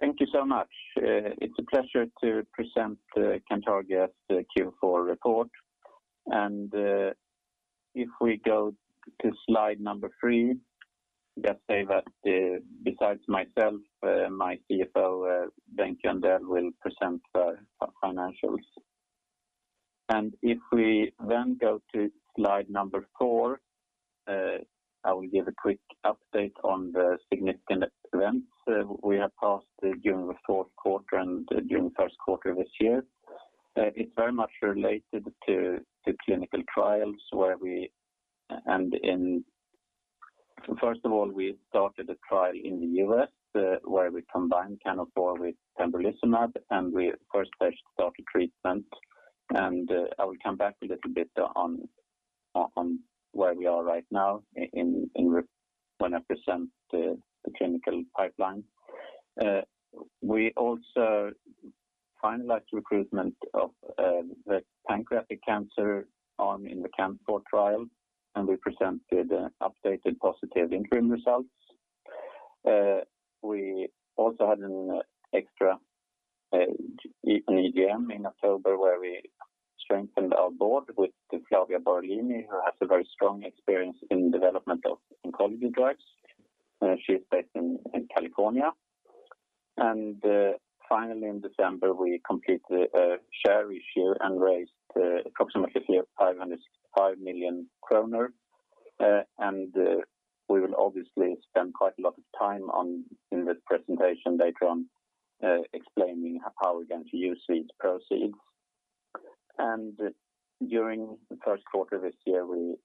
Thank you so much. It's a pleasure to present Cantargia's Q4 report. If we go to slide number three, just say that besides myself, my CFO, Bengt Jöndell, will present the financials. If we go to slide number four, I will give a quick update on the significant events we have passed during the fourth quarter and during first quarter this year. It's very much related to clinical trials. First of all, we started a trial in the U.S. where we combined CAN04 with pembrolizumab, and we first started treatment. I will come back a little bit on where we are right now when I present the clinical pipeline. We also finalized recruitment of the pancreatic cancer arm in the CAN04 trial, and we presented updated positive interim results. We also had an extra EGM in October where we strengthened our board with Flavia Borellini, who has a very strong experience in development of oncology drugs. She is based in California. Finally, in December, we completed a share issue and raised approximately 565 million kronor. We will obviously spend quite a lot of time in the presentation later on explaining how we're going to use these proceeds. During the first quarter this year, we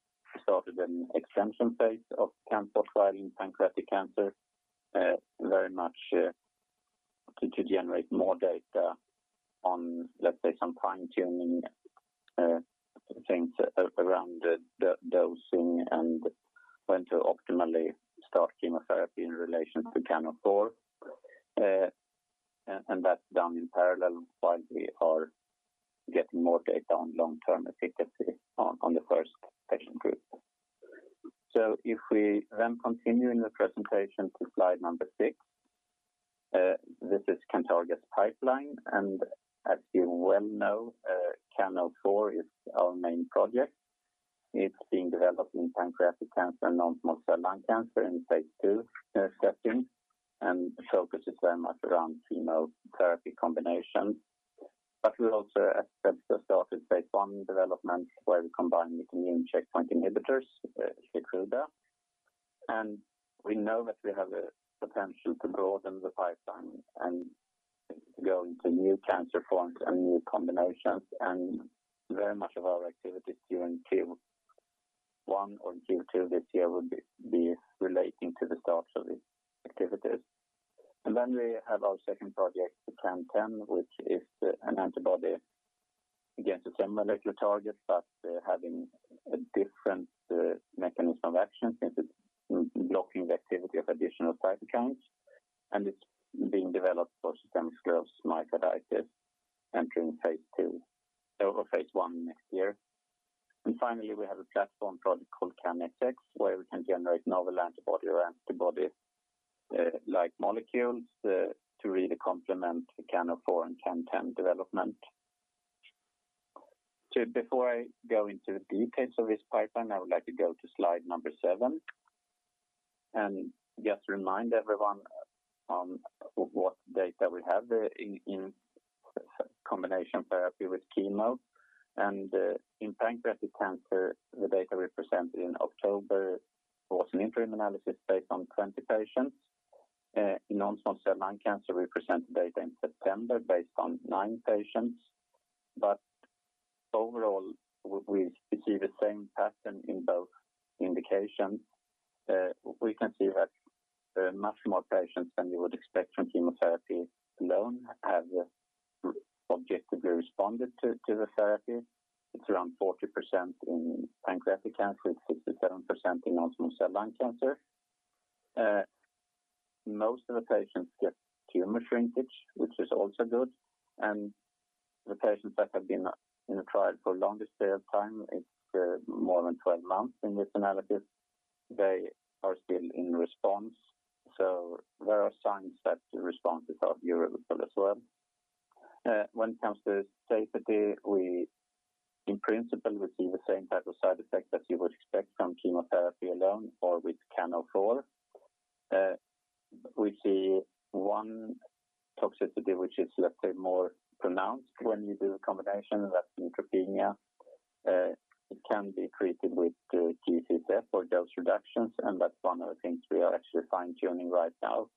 started an expansion phase of CAN04 trial in pancreatic cancer, very much to generate more data on, let's say, some fine-tuning things around the dosing and when to optimally start chemotherapy in relation to CAN04. That's done in parallel while we are getting more data on long-term efficacy on the first patient group. If we continue in the presentation to slide six, this is Cantargia's pipeline, and as you well know CAN04 is our main project. It's being developed in pancreatic cancer and non-small cell lung cancer in phase II settings and focuses very much around chemotherapy combinations. We also have just started phase I development where we combine with immune checkpoint inhibitors, Keytruda. We know that we have the potential to broaden the pipeline and go into new cancer forms and new combinations, and very much of our activity during Q1 or Q2 this year will be relating to the start of the activities. We have our second project, CAN10, which is an antibody against the same molecular target, but having a different mechanism of action since it's blocking the activity of additional cytokine. It's being developed for systemic sclerosis, myositis, entering phase I next year. Finally, we have a platform project called CANxx, where we can generate novel antibody or antibody-like molecules to really complement the CAN04 and CAN10 development. Before I go into the details of this pipeline, I would like to go to slide number seven and just remind everyone on what data we have in combination therapy with chemo. In pancreatic cancer, the data we presented in October was an interim analysis based on 20 patients. In non-small cell lung cancer, we presented data in September based on nine patients. Overall, we see the same pattern in both indications. We can see that much more patients than you would expect from chemotherapy alone have objectively responded to the therapy. It's around 40% in pancreatic cancer. It's 67% in non-small cell lung cancer. Most of the patients get tumor shrinkage, which is also good. The patients that have been in the trial for longest period of time, it's more than 12 months in this analysis, they are still in response. There are signs that the response is durable as well. When it comes to safety, we, in principle, receive the same type of side effects that you would expect from chemotherapy alone or with CAN04. We see one toxicity which is, let's say, more pronounced when you do the combination, and that's neutropenia. It can be treated with G-CSF or dose reductions, and that's one of the things we are actually fine-tuning right now.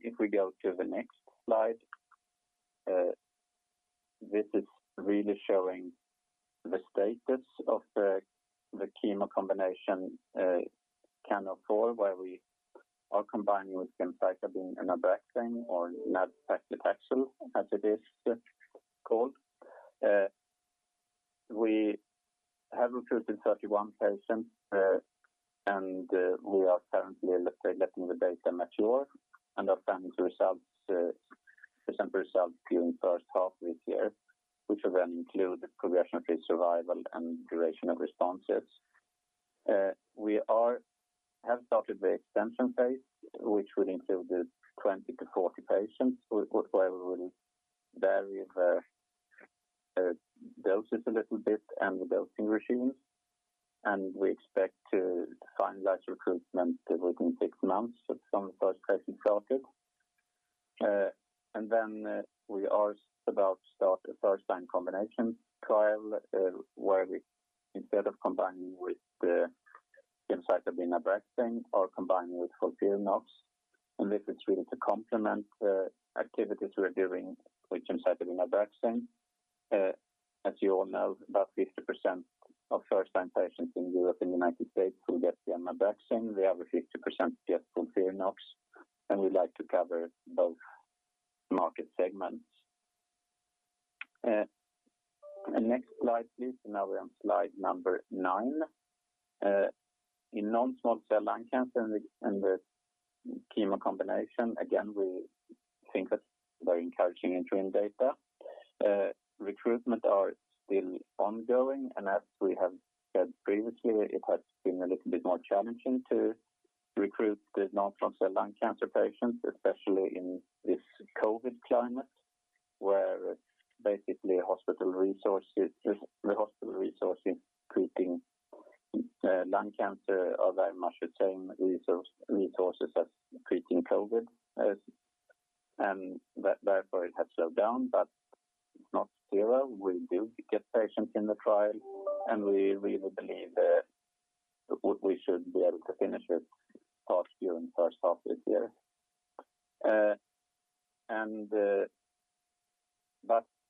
If we go to the next slide, this is really showing the status of the chemo combination CAN04, where we are combining with gemcitabine and ABRAXANE or nab-paclitaxel as it is called. We have recruited 31 patients. We are currently letting the data mature and are planning to present results during first half this year, which will then include progression-free survival and duration of responses. We have started the extension phase, which will include the 20-40 patients, where we will vary the doses a little bit and the dosing regimens. We expect to finalize recruitment within six months of when first patients started. We are about to start a first-line combination trial, where we instead of combining with the gemcitabine ABRAXANE or combining with FOLFIRINOX, this is really to complement the activities we are doing with gemcitabine ABRAXANE. As you all know, about 50% of first-line patients in Europe and U.S. who get ABRAXANE, the other 50% get FOLFIRINOX, and we like to cover both market segments. Next slide, please. We're on slide number nine. In non-small cell lung cancer and the chemo combination, again, we think that's very encouraging interim data. Recruitment are still ongoing, and as we have said previously, it has been a little bit more challenging to recruit the non-small cell lung cancer patients, especially in this COVID climate, where basically the hospital resources treating lung cancer are very much the same resources that's treating COVID, and therefore it has slowed down, but not zero. We do get patients in the trial, and we believe that we should be able to finish it during first half this year.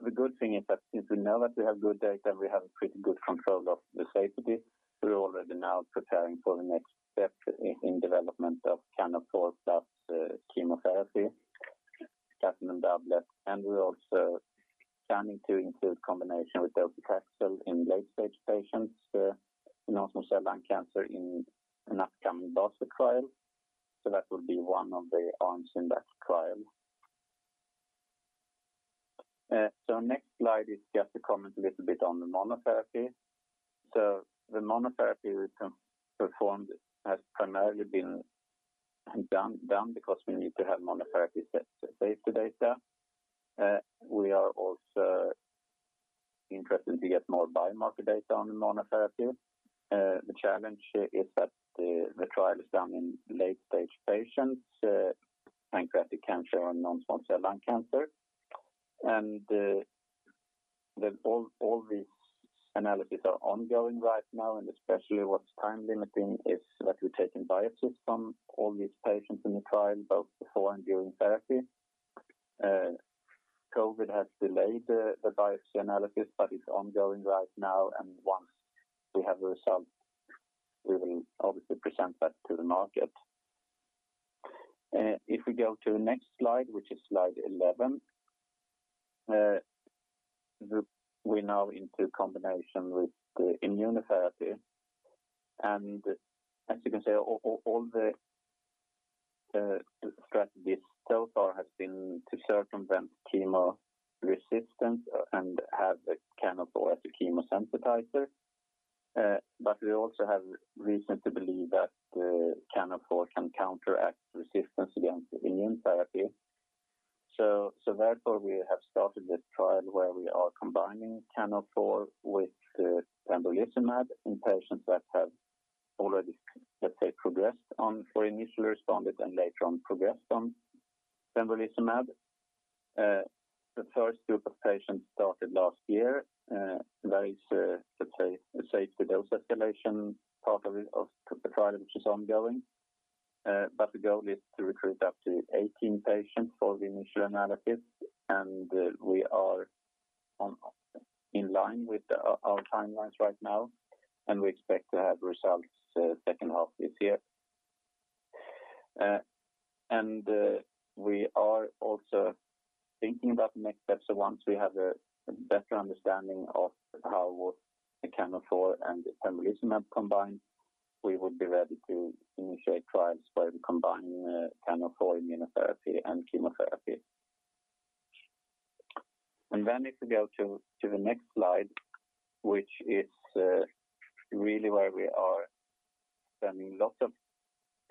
The good thing is that since we know that we have good data, we have pretty good control of the safety. We're already now preparing for the next step in development of CAN04 plus chemotherapy, platinum doublets, and we're also planning to include combination with docetaxel in late-stage patients, in non-small cell lung cancer in an upcoming dose trial. That will be one of the arms in that trial. Next slide is just to comment a little bit on the monotherapy. The monotherapy we performed has primarily been done because we need to have monotherapy safety data. We are also interested to get more biomarker data on the monotherapy. The challenge is that the trial is done in late-stage patients, pancreatic cancer and non-small cell lung cancer. All these analyses are ongoing right now, and especially what's time limiting is that we're taking biopsies from all these patients in the trial, both before and during therapy. COVID has delayed the biopsy analysis, but it's ongoing right now. Once we have the results, we will obviously present that to the market. If we go to the next slide, which is slide 11. We're now into combination with immunotherapy. As you can see, all the strategies so far has been to circumvent chemo resistance and have the CAN04 as a chemo sensitizer. We also have reason to believe that CAN04 can counteract resistance against the immunotherapy. Therefore, we have started this trial where we are combining CAN04 with pembrolizumab in patients that have already, let's say, progressed on or initially responded and later on progressed on pembrolizumab. The first group of patients started last year. There is a, let's say, safety dose escalation part of the trial, which is ongoing. The goal is to recruit up to 18 patients for the initial analysis. We are in line with our timelines right now. We expect to have results second half this year. We are also thinking about the next steps. Once we have a better understanding of how well the CAN04 and the pembrolizumab combine, we would be ready to initiate trials where we combine CAN04 immunotherapy and chemotherapy. If we go to the next slide, which is really where we are spending lots of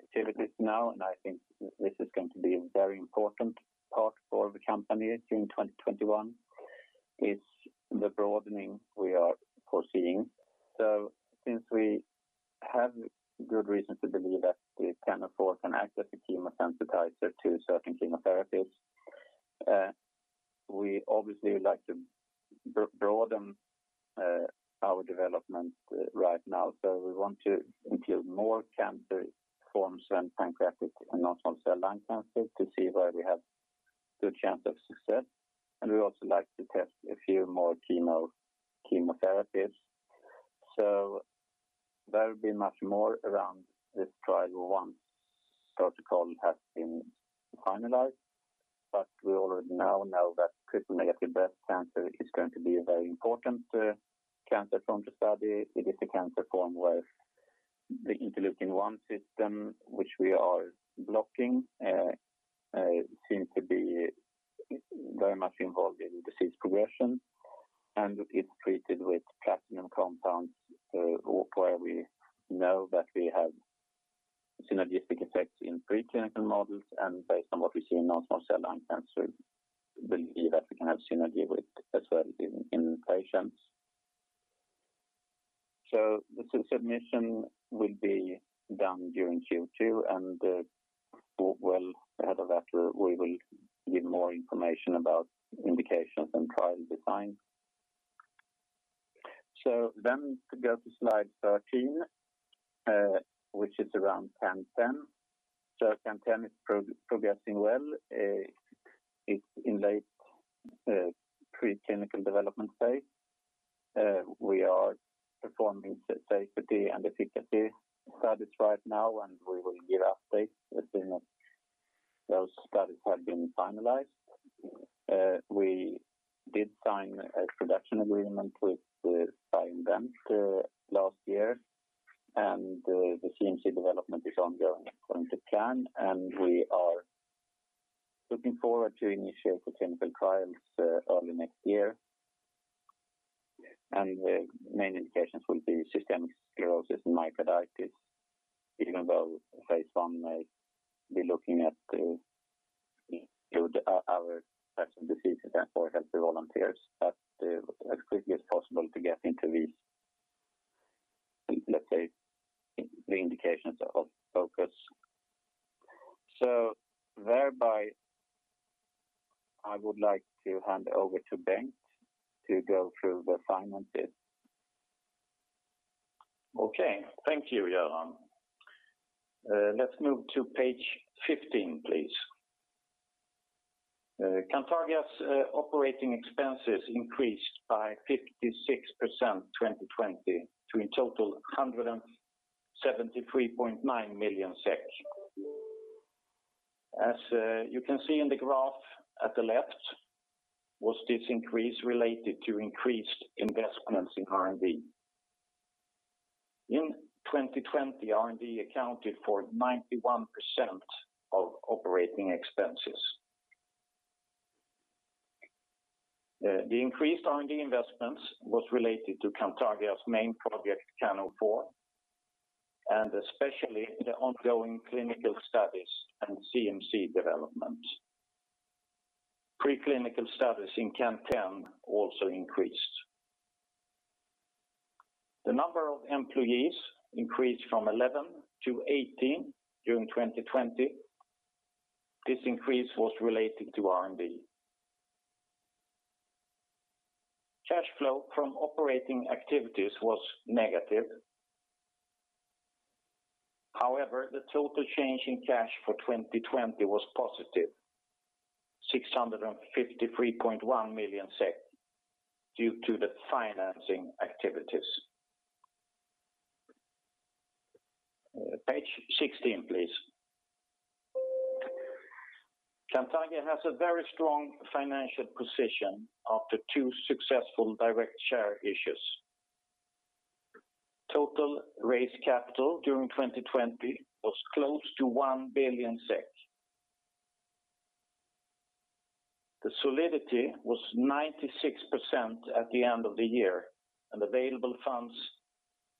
activities now, I think this is going to be a very important part for the company during 2021, is the broadening we are foreseeing. Since we have good reason to believe that the CAN04 can act as a chemo sensitizer to certain chemotherapies, we obviously like to broaden our development right now. We want to include more cancer forms than pancreatic and non-small cell lung cancer to see where we have good chance of success. We'd also like to test a few more chemotherapies. There will be much more around this trial once protocol has been finalized, but we already now know that triple-negative breast cancer is going to be a very important cancer form to study. It is a cancer form where the interleukin-1 system, which we are blocking, seems to be very much involved in disease progression, and it's treated with platinum compounds, where we know that we have synergistic effects in preclinical models. Based on what we see in non-small cell lung cancer, we believe that we can have synergy with as well in patients. The submission will be done during Q2, and well ahead of that we will give more information about indications and trial design. Go to slide 13, which is around CAN10. CAN10 is progressing well. It's in late preclinical development phase. We are performing safety and efficacy studies right now, and we will give updates as soon as those studies have been finalized. We did sign a production agreement with BioInvent last year, and the CMC development is ongoing according to plan, and we are looking forward to initiate clinical trials early next year. The main indications will be systemic sclerosis and myositis, even though phase I may be looking at include other types of diseases or healthy volunteers as quickly as possible to get into these, let's say, the indications of focus. Thereby, I would like to hand over to Bengt to go through the finances. Okay. Thank you, Johan. Let's move to page 15, please. Cantargia's operating expenses increased by 56% in 2020 to a total SEK 173.9 million. As you can see in the graph at the left, was this increase related to increased investments in R&D. In 2020, R&D accounted for 91% of operating expenses. The increased R&D investments was related to Cantargia's main project, CAN04, and especially the ongoing clinical studies and CMC development. Preclinical studies in CAN10 also increased. The number of employees increased from 11-18 during 2020. This increase was related to R&D. Cash flow from operating activities was negative. However, the total change in cash for 2020 was positive, 653.1 million SEK due to the financing activities. Page 16, please. Cantargia has a very strong financial position after two successful direct share issues. Total raised capital during 2020 was close to 1 billion. The solidity was 96% at the end of the year, and available funds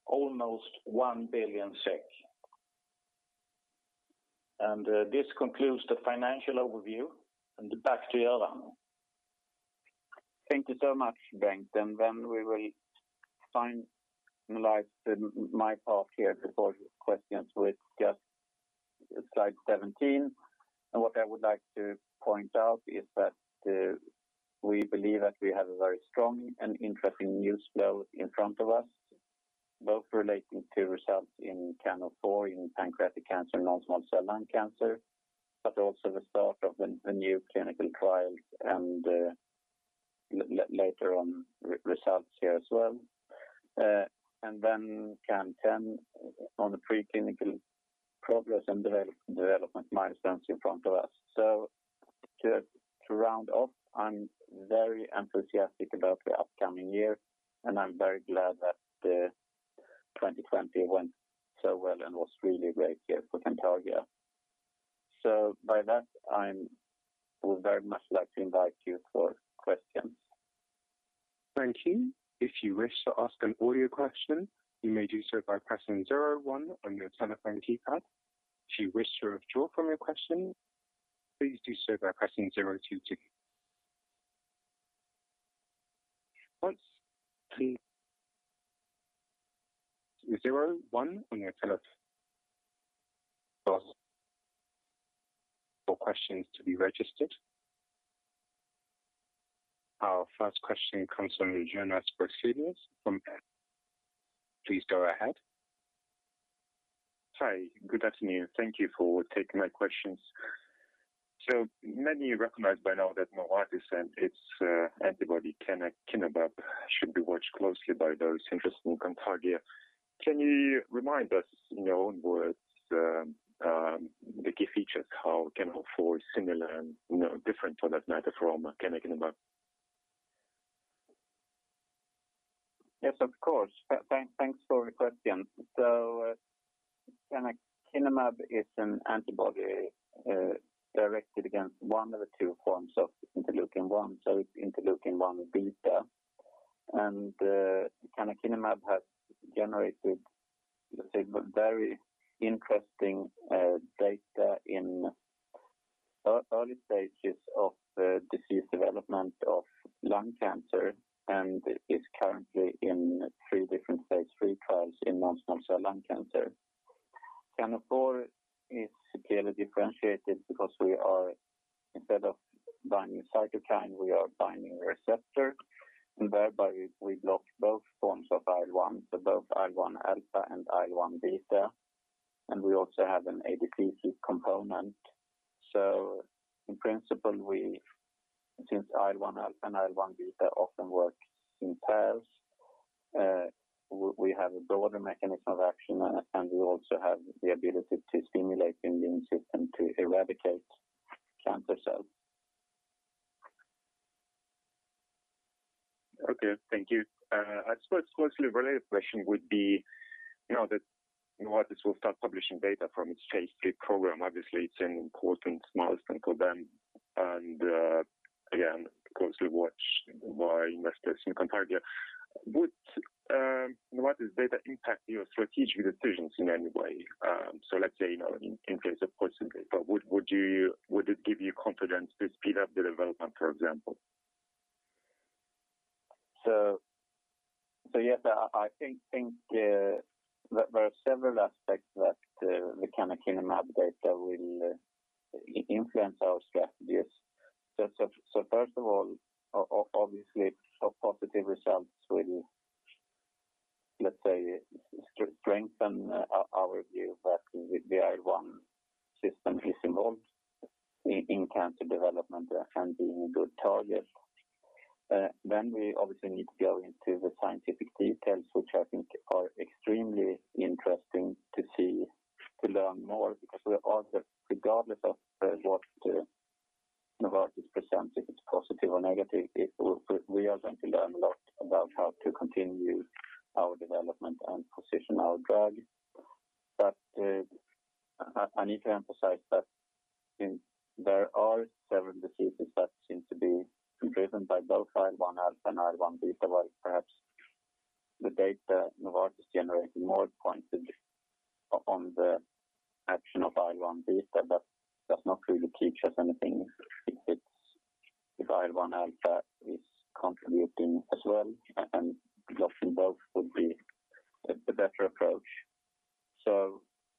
almost SEK 1 billion. This concludes the financial overview, and back to Johan. Thank you so much, Bengt. We will finalize my part here before questions with just slide 17. What I would like to point out is that we believe that we have a very strong and interesting news flow in front of us, both relating to results in CAN04 in pancreatic cancer and non-small cell lung cancer, but also the start of a new clinical trial and later on results here as well. CAN10 on the preclinical progress and development milestones in front of us. To round off, I'm very enthusiastic about the upcoming year, and I'm very glad that 2020 went so well and was really a great year for Cantargia. With that, I would very much like to invite you for questions. Thank you. If you wish to ask an audio question, you may do so by pressing zero one on your telephone keypad. If you wish to withdraw from your question, please do so by pressing zero two two. Once, please zero one on your telephone for questions to be registered. Our first question comes from [Jonas Berselius] from Please go ahead. Hi. Good afternoon. Thank you for taking my questions. Many recognize by now that Novartis and its antibody canakinumab should be watched closely by those interested in Cantargia. Can you remind us, in your own words, the key features, how CAN04 is similar and different, for that matter, from canakinumab? Yes, of course. Thanks for the question. Canakinumab is an antibody directed against one of the two forms of interleukin-1, so it's interleukin-1 beta. Canakinumab has generated very interesting data in early stages of the disease development of lung cancer, and is currently in three different phase III trials in non-small cell lung cancer. CAN04 is clearly differentiated because we are, instead of binding cytokine, we are binding receptor, and thereby we block both forms of IL-1, so both IL-1 alpha and IL-1 beta, and we also have an ADCC component. In principle, since IL-1 alpha and IL-1 beta often work in pairs, we have a broader mechanism of action, and we also have the ability to stimulate the immune system to eradicate cancer cells. Okay, thank you. I suppose closely related question would be now that Novartis will start publishing data from its phase III program. Obviously, it's an important milestone for them, and again, closely watched by investors in Cantargia. Would Novartis data impact your strategic decisions in any way? Let's say, in case of positive data, would it give you confidence to speed up the development, for example? Yes, I think there are several aspects that the canakinumab data will influence our strategies. First of all, obviously, positive results will, let's say, strengthen our view that the IL-1 system is involved in cancer development and being a good target. We obviously need to go into the scientific details, which I think are extremely interesting to see, to learn more because regardless of what Novartis presents, if it's positive or negative, we are going to learn a lot about how to continue our development and position our drug. I need to emphasize that there are several diseases that seem to be driven by both IL-1 alpha and IL-1 beta. While perhaps the data Novartis is generating more pointed on the action of IL-1 beta, that does not really teach us anything if IL-1 alpha is contributing as well, and blocking both would be a better approach.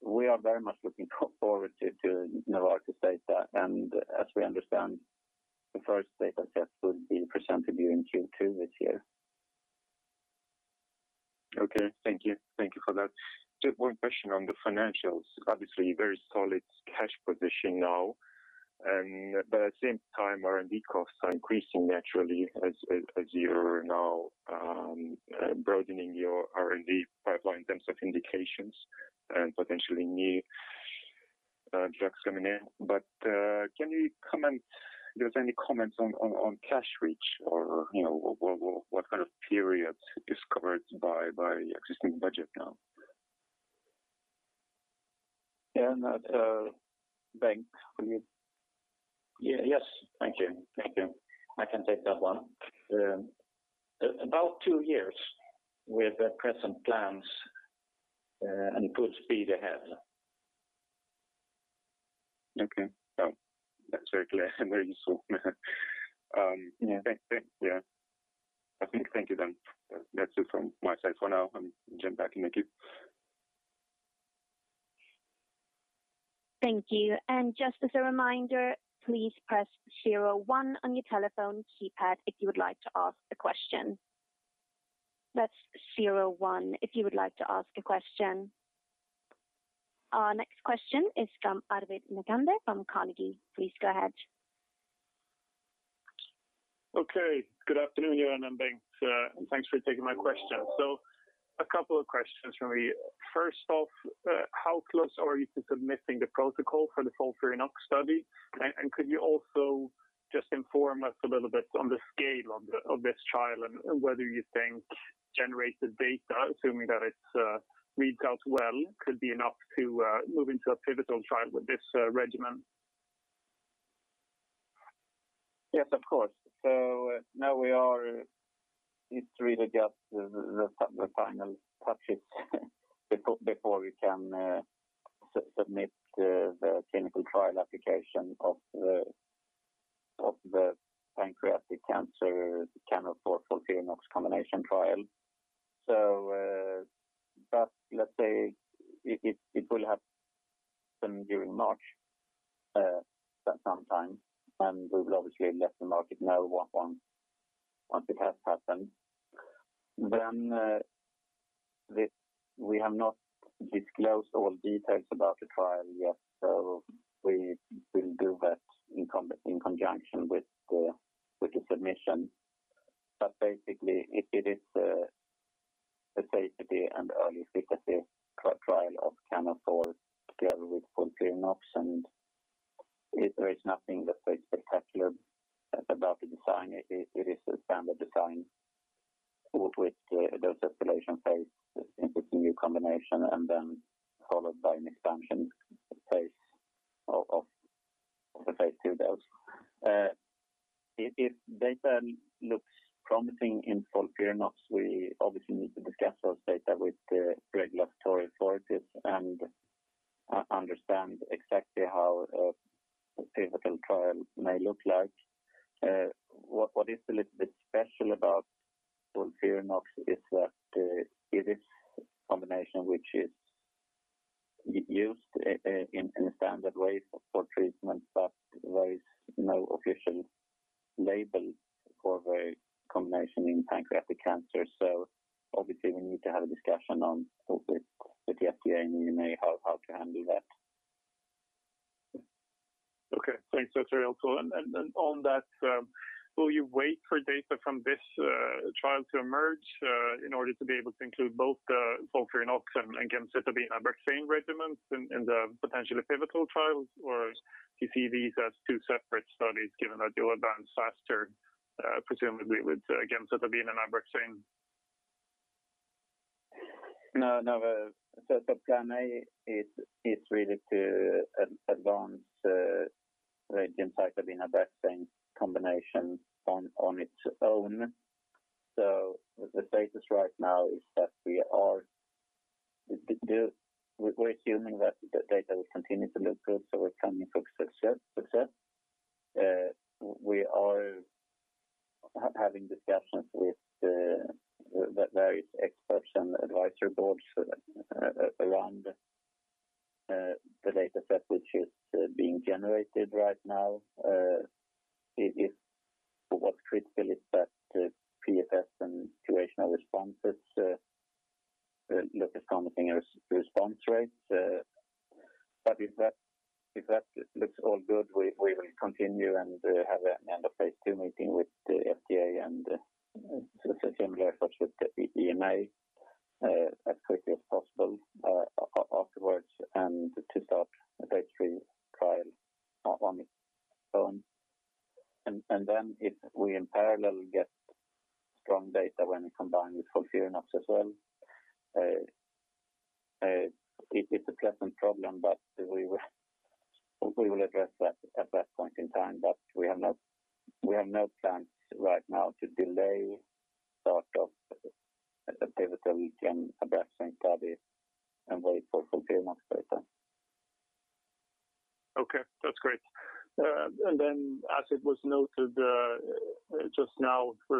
We are very much looking forward to Novartis data, and as we understand, the first data set would be presented during Q2 this year. Okay, thank you. Thank you for that. Just one question on the financials. Obviously, very solid cash position now, at the same time, R&D costs are increasing naturally as you're now broadening your R&D pipeline in terms of indications and potentially new drugs coming in. Can you comment if there's any comments on cash reach or what kind of period is covered by existing budget now? Yeah. Bengt, will you? Yes. Thank you. I can take that one. About two years with the present plans, and good speed ahead. Okay. Well, that's very clear and very useful. Yeah. Thanks. Yeah. I think thank you then. That's it from my side for now. I'll jump back in the queue. Thank you. Just as a reminder, please press zero one on your telephone keypad if you would like to ask a question. That's zero one if you would like to ask a question. Our next question is from Arvid Necander from Carnegie. Please go ahead. Okay. Good afternoon, Johan and Bengt. Thanks for taking my question. A couple of questions from me. First off, how close are you to submitting the protocol for the FOLFIRINOX study? Could you also just inform us a little bit on the scale of this trial, and whether you think generated data, assuming that its readouts well, could be enough to move into a pivotal trial with this regimen? Yes, of course. Now we are just the final touches before we can submit the clinical trial application of the pancreatic cancer CAN04 FOLFIRINOX combination trial. Let's say it will happen during March sometime, and we will obviously let the market know once it has happened. We have not disclosed all details about the trial yet, we will do that in conjunction with the submission. Basically, it is a safety and early efficacy trial of nadunolimab together with FOLFIRINOX, there is nothing spectacular about the design. It is a standard design with the dose escalation phase in this new combination, then followed by an expansion phase of the phase II dose. If data looks promising in FOLFIRINOX, we obviously need to discuss those data with the regulatory authorities and understand exactly how a pivotal trial may look like. What is a little bit special about FOLFIRINOX is that it is a combination which is used in a standard way for treatment, but there is no official label for the combination in pancreatic cancer. Obviously we need to have a discussion on both with the FDA and EMA how to handle that. Okay. Thanks. That's very helpful. On that, will you wait for data from this trial to emerge in order to be able to include both the FOLFIRINOX and gemcitabine ABRAXANE regimens in the potentially pivotal trials? Do you see these as two separate studies, given that you advance faster, presumably with gemcitabine and ABRAXANE? No. So plan A is really to advance the gemcitabine ABRAXANE combination on its own. The status right now is that we're assuming that the data will continue to look good, so we're counting for success. We are having discussions with the various experts and advisory boards around the data set which is being generated right now. What's critical is that the PFS and duration of responses look as promising as the response rates. If that looks all good, we will continue and have an end of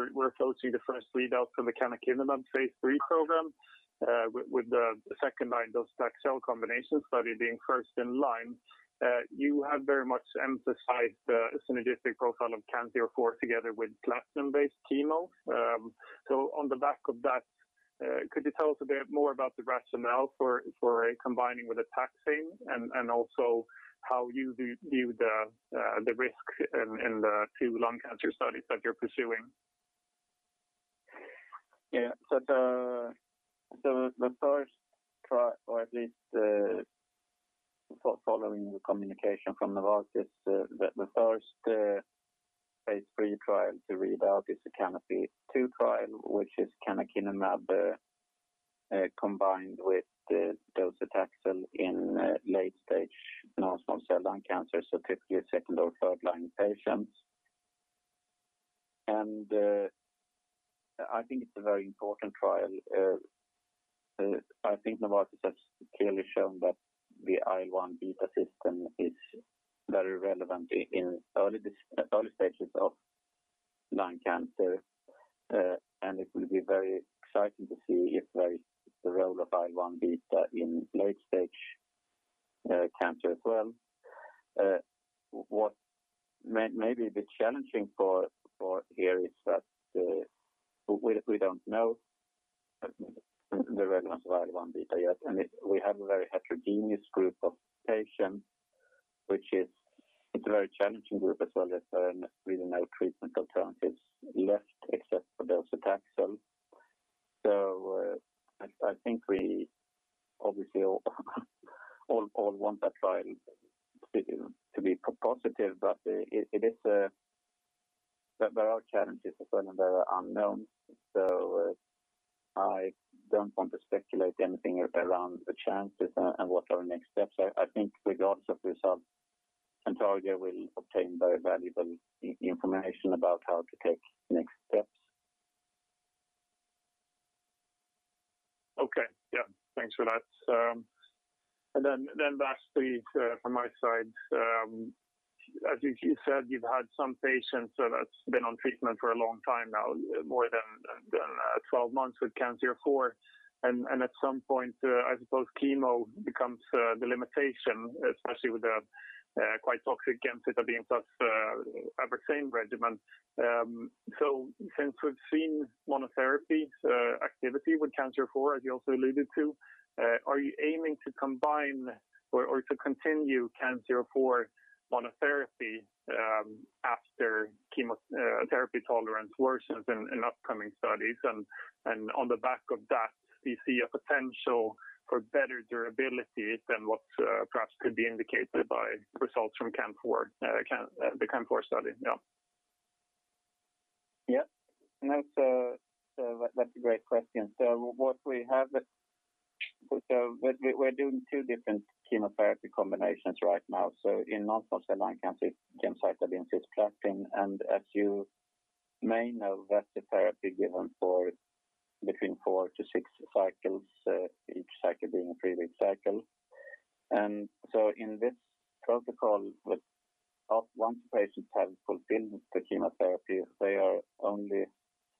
phase II meeting with the FDA and similar efforts with the EMA as quickly as possible afterwards, and to start a phase III trial on its own. If we in parallel get strong data when we combine with FOLFIRINOX as well, it's a pleasant problem, but we will address that at that point in time. We have no plans right now to delay start of the pivotal gem ABRAXANE study and wait for FOLFIRINOX data. Okay. That's great. As it was noted just now, we're closing the first readout for the canakinumab phase III program, with the second-line docetaxel combination study being first in line. You have very much emphasized the synergistic profile of CAN04 together with platinum-based chemo. On the back of that, could you tell us a bit more about the rationale for combining with a taxane and also how you view the risk in the two lung cancer studies that you're pursuing? Yeah. The first trial, or at least following the communication from Novartis, the first phase III trial to read out is the CANOPY-2 trial, which is canakinumab combined with docetaxel in late stage non-small cell lung cancer, so typically a second or third line patients. I think it's a very important trial. I think Novartis has clearly shown that the IL-1 beta system is very relevant in early stages of lung cancer. It will be very exciting to see if there is a role of IL-1 beta in late stage cancer as well. What may be a bit challenging for here is that we don't know the relevance of IL-1 beta yet, and we have a very heterogeneous group of patients, which is a very challenging group as well as there are really no treatment alternatives left except for docetaxel. I think we obviously all want that trial to be positive, but there are challenges as well, and there are unknowns. I don't want to speculate anything around the chances and what are our next steps. I think regardless of result, Cantargia will obtain very valuable information about how to take next steps. Okay. Yeah. Thanks for that. Lastly from my side, as you said, you've had some patients that's been on treatment for a long time now, more than 12 months with CAN04. At some point, I suppose chemo becomes the limitation, especially with the quite toxic gemcitabine plus ABRAXANE regimen. Since we've seen monotherapy activity with CAN04, as you also alluded to, are you aiming to combine or to continue CAN04 monotherapy after chemotherapy tolerance worsens in upcoming studies? On the back of that, do you see a potential for better durability than what perhaps could be indicated by results from the CAN04 study? Yeah. That's a great question. We're doing two different chemotherapy combinations right now. In non-small cell lung cancer, gemcitabine plus cisplatin. As you may know, that's the therapy given between four-six cycles, each cycle being a three-week cycle. In this protocol, once patients have fulfilled the chemotherapy, they are only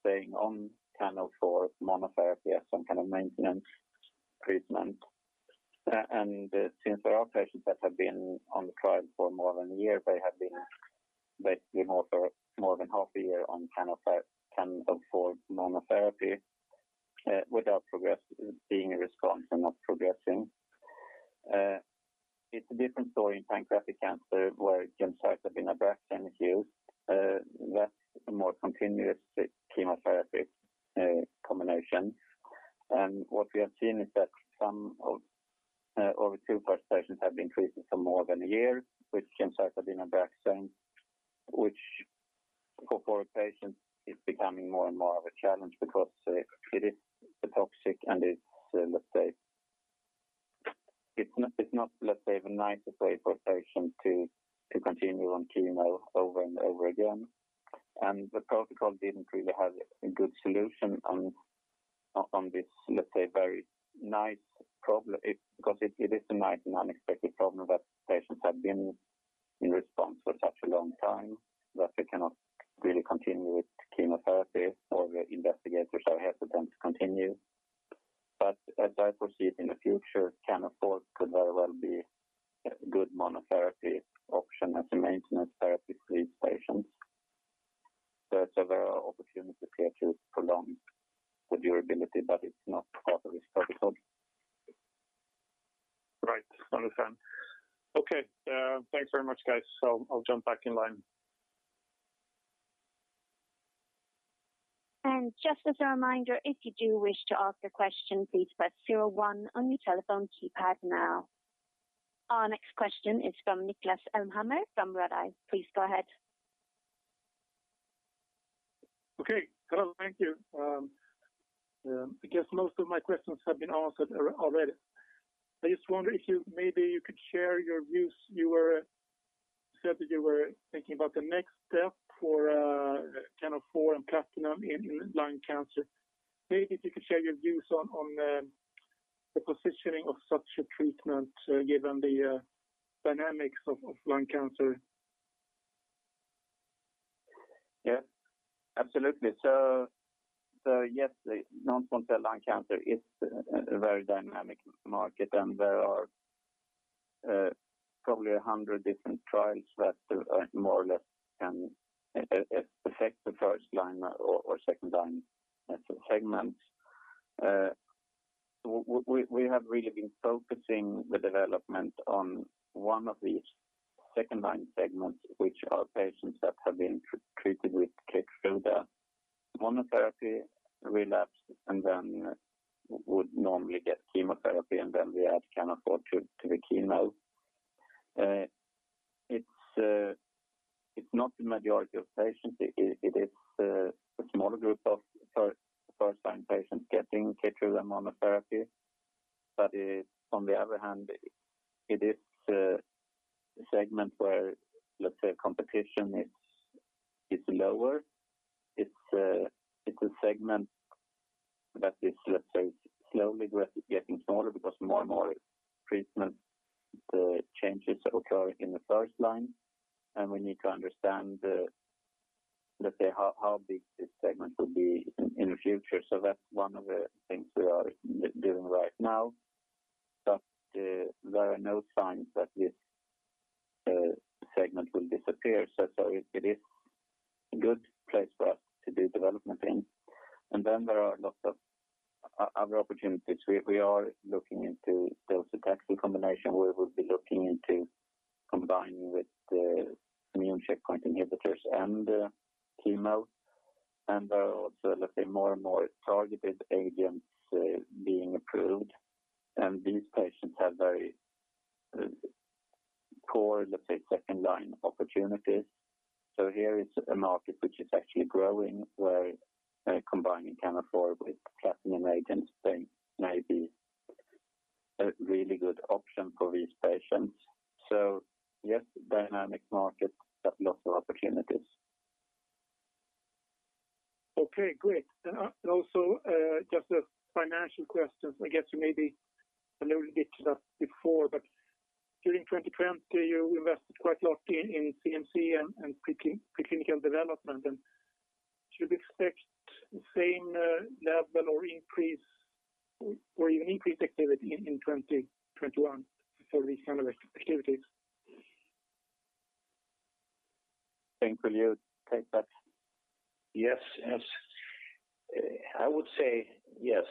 staying on CAN04 monotherapy as some kind of maintenance treatment. Since there are patients that have been on the trial for more than a year, they have been basically more than half a year on CAN04 monotherapy without progress, being in response and not progressing. It's a different story in pancreatic cancer where gemcitabine ABRAXANE is used. That's a more continuous chemotherapy combination. What we have seen is that some of over two-plus patients have been treated for more than a year with gemcitabine ABRAXANE, which for a patient is becoming more and more of a challenge because it is toxic and it's not the nicest way for a patient to continue on chemo over and over again. The protocol didn't really have a good solution on this very nice problem because it is a nice and unexpected problem that patients have been in response for such a long time that they cannot really continue with chemotherapy or the investigators are hesitant to continue. As I foresee it in the future, CAN04 could very well be a good monotherapy option as a maintenance therapy for these patients. There are opportunities here to prolong the durability, but it's not part of this protocol. Right. Understand. Okay. Thanks very much, guys. I'll jump back in line. Just as a reminder, if you do wish to ask a question, please press zero one on your telephone keypad now. Our next question is from Niklas Elmhammer from Redeye. Please go ahead. Okay, Thank you. I guess most of my questions have been answered already. I just wonder if maybe you could share your views. You said that you were thinking about the next step for CAN04 and platinum in lung cancer. Maybe if you could share your views on the positioning of such a treatment given the dynamics of lung cancer? Absolutely. Yes, non-small cell lung cancer is a very dynamic market, and there are probably 100 different trials that more or less can affect the first-line or second-line segments. We have really been focusing the development on one of these second-line segments, which are patients that have been treated with Keytruda monotherapy, relapsed, and then would normally get chemotherapy, and then we add CAN04 to the chemo. It's not the majority of patients. It is a smaller group of first-line patients getting KEYTRUDA monotherapy. On the other hand, it is a segment where the competition is lower. It's a segment that is slowly getting smaller because more and more treatment changes occur in the first line, and we need to understand how big this segment will be in the future. That's one of the things we are doing right now. There are no signs that this segment will disappear, it is a good place for us to do development in. There are lots of other opportunities. We are looking into docetaxel combination. We will be looking into combining with the immune checkpoint inhibitors and chemo. There are also more and more targeted agents being approved, and these patients have very poor second-line opportunities. Here is a market which is actually growing, where combining CAN04 with platinum agents may be a really good option for these patients. Yes, dynamic market, but lots of opportunities. Okay, great. Also, just a financial question. I guess you maybe alluded to that before, but during 2020, you invested quite a lot in CMC and preclinical development. Should we expect the same level or even increased activity in 2021 for these kind of activities? Bengt, will you take that? Yes. I would say yes,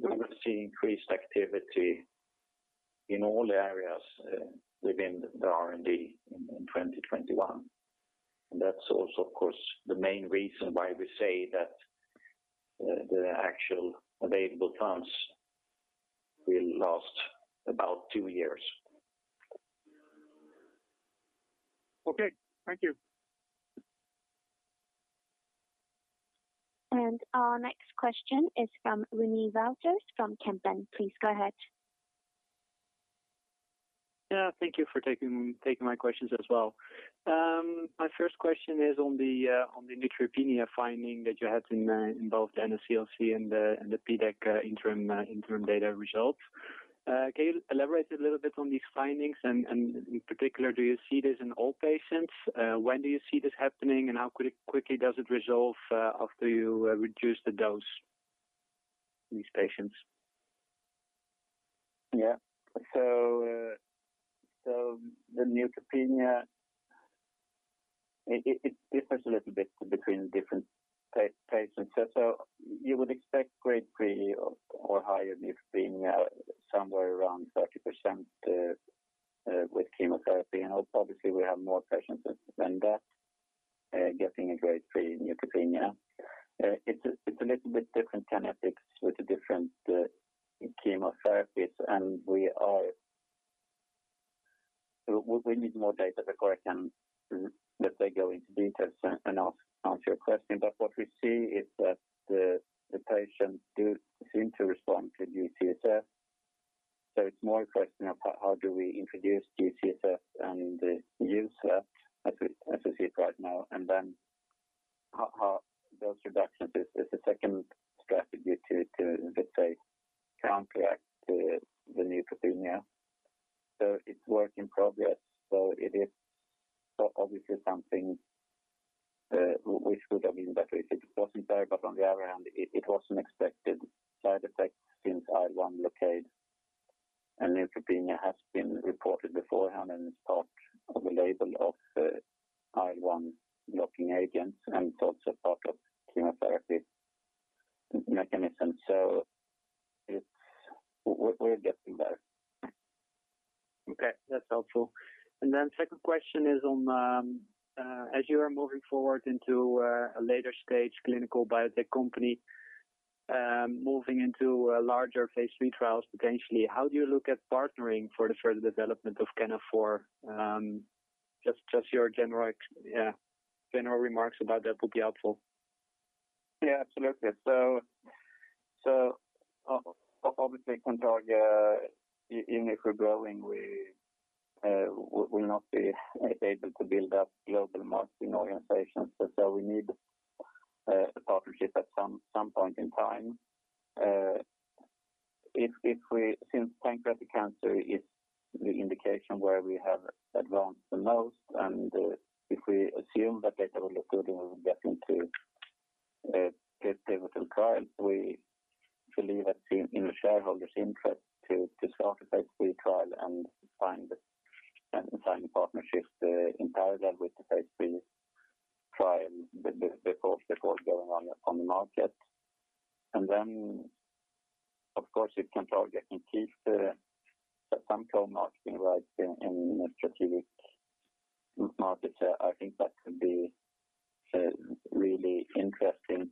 we will see increased activity in all areas within the R&D in 2021. That's also, of course, the main reason why we say that the actual available funds will last about two years. Okay. Thank you. Our next question is from Remy Wouters from Kempen. Please go ahead. Yeah. Thank you for taking my questions as well. My first question is on the neutropenia finding that you had in both the NSCLC and the PDAC interim data results. Can you elaborate a little bit on these findings? In particular, do you see this in all patients? When do you see this happening, and how quickly does it resolve after you reduce the dose in these patients? The neutropenia, it differs a little bit between different patients. You would expect grade 3 or higher neutropenia somewhere around 30% with chemotherapy. Obviously we have more patients than that getting a grade 3 neutropenia. It's a little bit different kinetics with the different chemotherapies, and we need more data before I can we will not be able to build up global marketing organizations, so we need a partnership at some point in time. Since pancreatic cancer is the indication where we have advanced the most, and if we assume the data will look good and we will get into pivotal trials, we believe it's in the shareholders' interest to start a phase III trial and find partnerships in parallel with the phase III trial, the process that was going on on the market. Then of course with Cantargia can keep some co-marketing rights in strategic markets. I think that could be really interesting.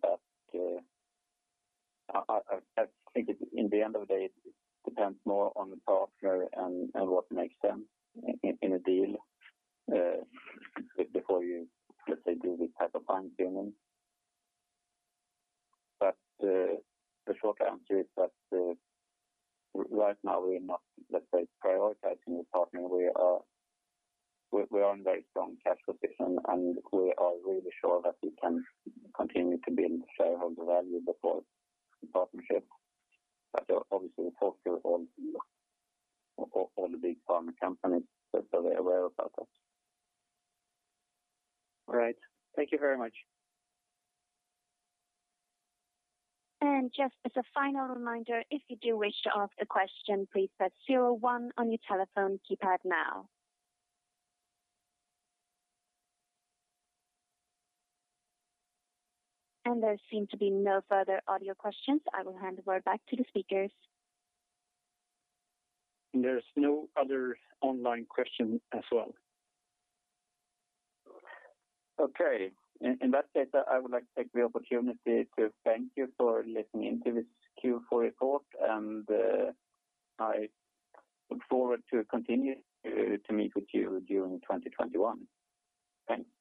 I think in the end of the day, it depends more on the partner and what makes sense in a deal before you, let's say, do this type of fine-tuning. The short answer is that right now we're not, let's say, prioritizing a partner. We are in very strong cash position, and we are really sure that we can continue to build shareholder value before partnership. Obviously we talk to all the big pharma companies, so they're aware about us. All right. Thank you very much. Just as a final reminder, if you do wish to ask a question, please press zero one on your telephone keypad now. There seem to be no further audio questions. I will hand the word back to the speakers. There's no other online question as well. Okay. In that case, I would like to take the opportunity to thank you for listening in to this Q4 report, and I look forward to continue to meet with you during 2021. Thanks.